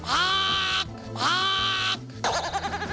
ผัก